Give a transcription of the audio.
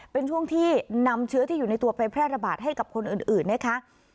เป็นช่วงที่นำเชื้อที่อยู่ในตัวไปแพร่ระบาดให้กับคนอื่นนะคะ